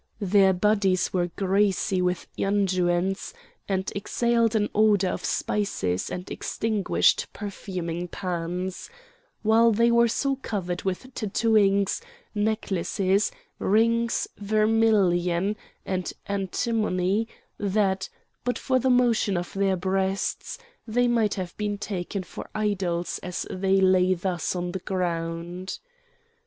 Their bodies were greasy with unguents, and exhaled an odour of spices and extinguished perfuming pans; while they were so covered with tattooings, necklaces, rings, vermilion, and antimony that, but for the motion of their breasts, they might have been taken for idols as they lay thus on the ground.